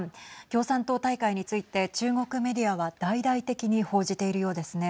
共産党大会について中国メディアは大々的に報じているようですね。